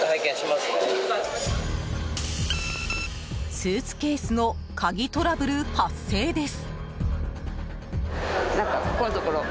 スーツケースの鍵トラブル発生です。